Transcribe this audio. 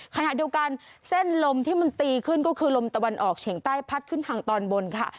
ขณะเดียวกันเส้นลมที่มันตีขึ้นก็คือลมตะวันออกเฉียงใต้พัดขึ้นทางตอนบนค่ะ